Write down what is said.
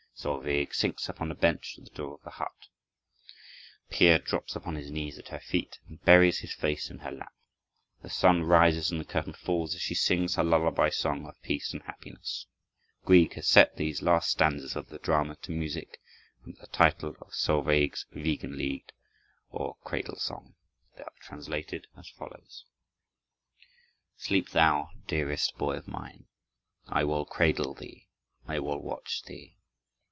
Solveig sinks upon a bench at the door of the hut. Peer drops upon his knees at her feet and buries his face in her lap. The sun rises and the curtain falls as she sings her lullaby song of peace and happiness. Grieg has set these last stanzas of the drama to music under the title of Solveig's Wiegenlied, or Cradle Song. They are translated as follows: "Sleep thou, dearest boy of mine! I will cradle thee, I will watch thee.